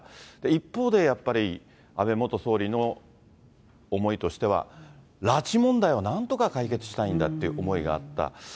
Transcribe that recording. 一方で、やっぱり安倍元総理の思いとしては、拉致問題はなんとか解決したいんだって思いがあった。